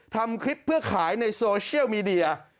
ทำคลิปเพื่อขายในโซเชียลมีเดีย